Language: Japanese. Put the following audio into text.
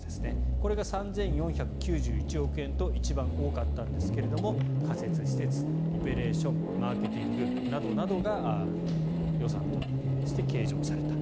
これが３４９１億円と一番多かったんですが仮設施設、オペレーションマーケティングなどなどが予算として計上された。